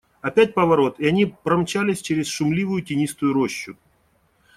Опять поворот, и они промчались через шумливую тенистую рощу.